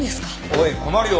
おい困るよ